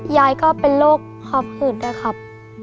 ยายก็เป็นโรคครอบครึ่งด้วยครับ